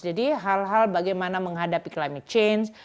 jadi hal hal bagaimana menghadapi climate change